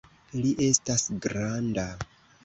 Li estas granda!